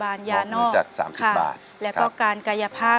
เปลี่ยนเพลงเก่งของคุณและข้ามผิดได้๑คำ